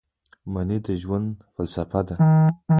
مني د ژوند فلسفه ده